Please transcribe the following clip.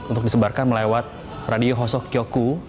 untuk disebarkan melewat radio hosok kyoku